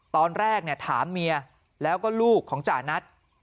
ตอนแรกถามเมียแล้วก็ลูกของจานัท